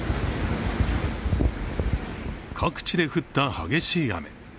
各地で降った激しい雨。